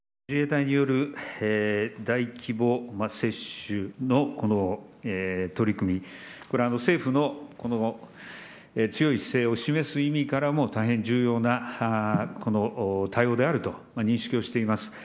自衛隊による大規模接種のこの取り組み、これ、政府の強い姿勢を示す意味からも、大変重要な対応であると認識をしています。